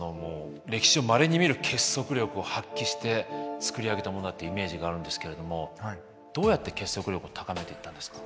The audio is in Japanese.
歴史上まれに見る結束力を発揮して作り上げたものだってイメージがあるんですけれどもどうやって結束力を高めていったんですか？